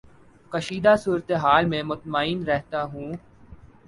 کشیدہ صورت حال میں مطمئن رہتا ہوں